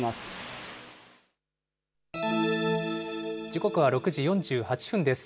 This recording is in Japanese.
時刻は６時４８分です。